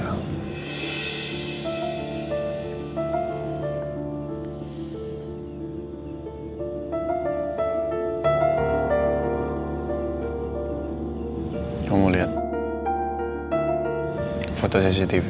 kamu mau liat foto cctv